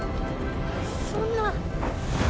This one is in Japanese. そんな。